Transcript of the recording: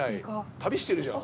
旅してるじゃん。